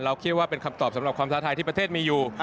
คิดว่าเป็นคำตอบสำหรับความท้าทายที่ประเทศมีอยู่